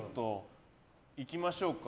いきましょうか。